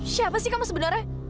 siapa sih kamu sebenarnya